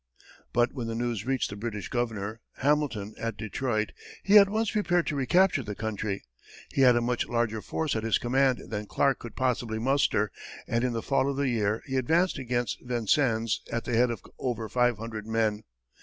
But when the news reached the British governor, Hamilton, at Detroit, he at once prepared to recapture the country. He had a much larger force at his command than Clark could possibly muster, and in the fall of the year he advanced against Vincennes at the head of over five hundred men.